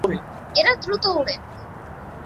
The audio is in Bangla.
এরা দ্রুত ওড়ে।